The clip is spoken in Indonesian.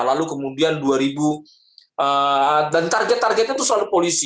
lalu kemudian dua ribu dan target targetnya itu soal polisi